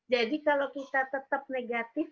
jadi kalau kita tetap negatif